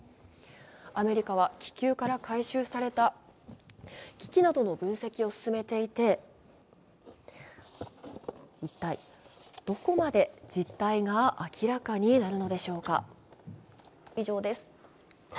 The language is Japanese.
アメリカは気球から回収された機器などの分析を進めていて一体どこまで実態が明らかになるのでしょうか。